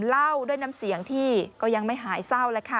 เล่าด้วยน้ำเสียงที่ก็ยังไม่หายเศร้าแล้วค่ะ